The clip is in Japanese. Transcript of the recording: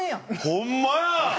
ホンマや！